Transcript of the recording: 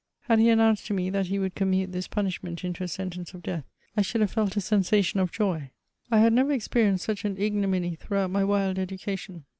Had he announced to me, that he would commute this punishment into a sentence of death, I should have felt a sensation of joy. I. had never experienced such an i^ominy throughout my wild education.